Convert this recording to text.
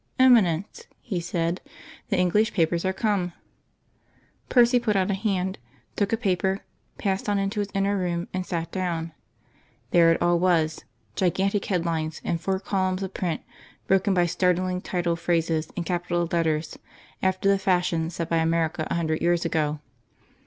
"Eminence," he said, "the English papers are come." Percy put out a hand, took a paper, passed on into his inner room, and sat down. There it all was gigantic headlines, and four columns of print broken by startling title phrases in capital letters, after the fashion set by America a hundred years ago.